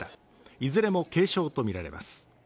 いずれも軽傷とみられます。